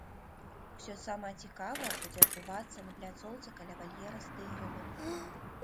Усё самае цікавае будзе адбывацца на пляцоўцы каля вальера з тыграмі.